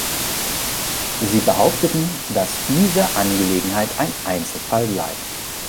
Sie behaupteten, dasss diese Angelegenheit ein Einzelfall sei.